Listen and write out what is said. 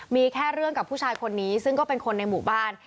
มีแค่เรื่องกับผู้ชายคนนี้ซึ่งก็เป็นคนในหมู่บ้าน